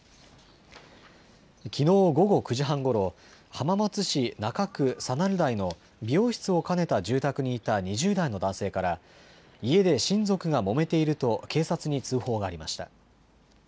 きのう午後９時半ごろ、浜松市中区佐鳴台の美容室を兼ねた住宅にいた２０代の男性から家で親族がもめていると警察に通報がありました。